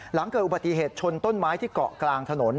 หลังเกิดอุบัติเหตุชนต้นไม้ที่เกาะกลางถนน